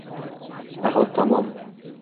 Nahot tamom